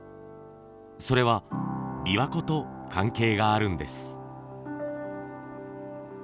それは琵琶湖と関係があるんです。